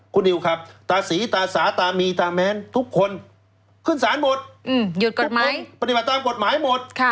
คุณนิวครับตาสีตาสาตามีตาแม้นทุกคนขึ้นสารหมดหยุดกฎหมายปฏิบัติตามกฎหมายหมด